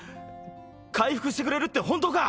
回復してくれるって本当か？